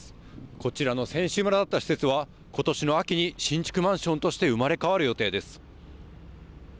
こちらの選手村だった施設はことしの秋に新築マンションとして生まれ変わる予定です。